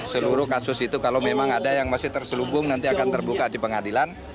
seluruh kasus itu kalau memang ada yang masih terselubung nanti akan terbuka di pengadilan